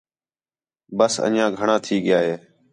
ٻس انڄیاں گھݨاں تھی ڳِیا ہِے